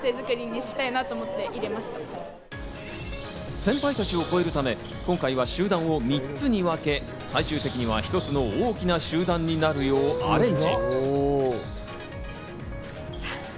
先輩たちを超えるため、今回は集団を３つに分け、最終的には一つの大きな集団になるようアレンジ。